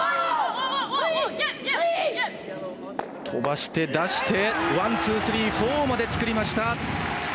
飛ばして、出してワン、ツー、スリー、フォーまで作りました。